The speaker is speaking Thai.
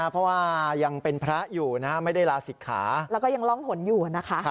เพราะว่ายังเป็นพระอยู่ไม่ได้ลาศิกขาแล้วก็ยังร่องหนอยู่นะคะ